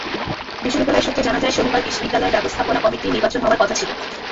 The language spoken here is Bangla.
বিদ্যালয় সূত্রে জানা যায়, শনিবার বিদ্যালয়ের ব্যবস্থাপনা কমিটির নির্বাচন হওয়ার কথা ছিল।